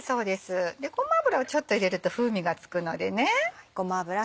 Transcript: ごま油をちょっと入れると風味がつくのでね。